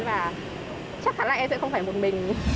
và chắc chắn là em sẽ không phải một mình